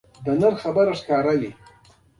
حتی کله چې هلته ورسېدل متفاوته بڼه یې اختیار کړه